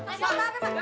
kasian banget ma